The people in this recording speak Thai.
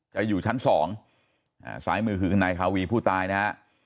จะอยู่ชั้น๒สายมือคือในคาวีผู้ตายนะครับ